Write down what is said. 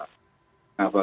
nah bagi para pemilu